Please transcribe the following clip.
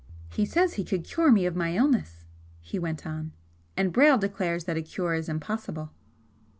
"He says he could cure me of my illness," he went on, "and Brayle declares that a cure is impossible."